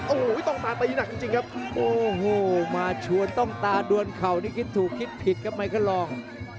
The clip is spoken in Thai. โอ้โหต้องตาตีหนักจริงครับโอ้โหมาชวนต้องตาดวนเข่านี่คิดถูกคิดผิดครับไมเคิลลอง